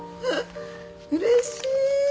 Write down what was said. うれしい。